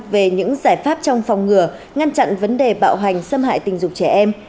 về những giải pháp trong phòng ngừa ngăn chặn vấn đề bạo hành xâm hại tình dục trẻ em